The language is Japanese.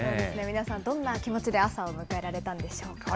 皆さん、どんな気持ちで朝を迎えられたんでしょうか。